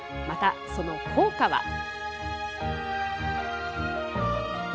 またその効果は。